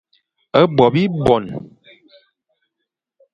A Bo bibuane.